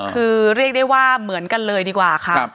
คือเรียกได้ว่าเหมือนกันเลยดีกว่าครับ